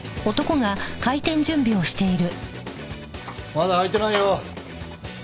まだ開いてないよ。